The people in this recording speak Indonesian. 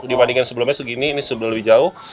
dibandingkan sebelumnya segini ini sudah lebih jauh